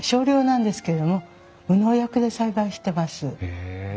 へえ。